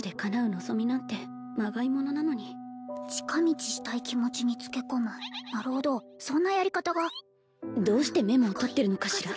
望みなんてまがいものなのに近道したい気持ちにつけこむなるほどそんなやり方がどうしてメモを取ってるのかしら？